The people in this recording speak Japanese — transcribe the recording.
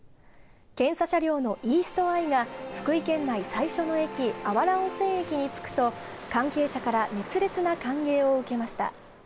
検査車両のイーストアイが福井県内最初の駅、芦原温泉駅に着くと、関係者から熱烈な歓迎を受けました。